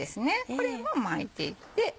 これも巻いていって。